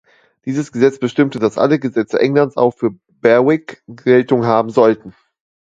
Dieses Gesetz bestimmte, dass alle Gesetze Englands auch für Berwick Geltung haben sollten.